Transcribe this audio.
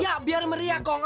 iya biar meriah kong